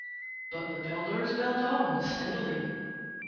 But the builders built on steadily.